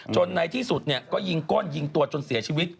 ในที่สุดก็ยิงก้นยิงตัวจนเสียชีวิต